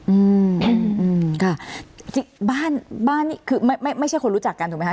อืมค่ะบ้านนี่คือไม่ใช่คนรู้จักกันถูกไหมคะ